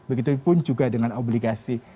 begitupun juga dengan obligasi